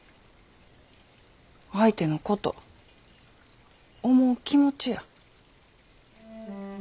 相手のこと思う気持ちや。